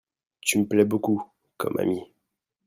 Tu me plais beaucoup comme ami.